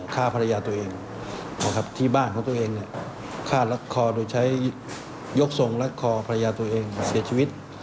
ฆ่าภรรยาตัวเองนะครับที่บ้านของตัวเองฆ่ารัดคอโดยใช้ยกทรงรัดคอภรรยาตัวเองเสียชีวิต